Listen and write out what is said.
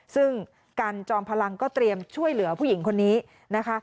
ซึ่งกันจอมพลังก็เตรียมช่วยเหลือผู้หญิงคนนี้นะคะ